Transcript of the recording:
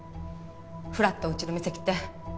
ふらっとうちの店来て。